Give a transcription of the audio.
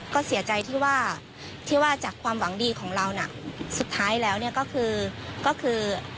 ก็เสียใจที่ว่าที่ว่าจากความหวังดีของเราน่ะสุดท้ายแล้วเนี่ยก็คือก็คือ